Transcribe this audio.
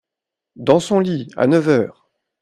Dans son lit ! à neuf heures !